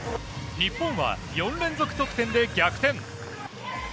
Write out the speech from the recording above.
日本は４連続得点で逆転。